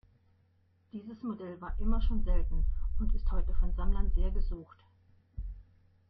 Dieses Modell war immer schon selten und ist heute von Sammlern sehr gesucht.